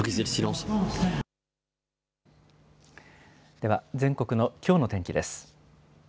では全国のきょうの天気です。